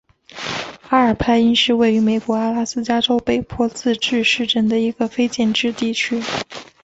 阿尔派因是位于美国阿拉斯加州北坡自治市镇的一个非建制地区。